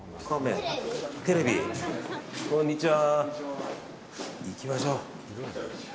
こんにちは。